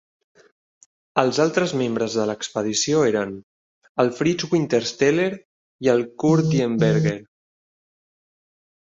Els altres membres de l'expedició eren: el Fritz Wintersteller i el Kurt Diemberger.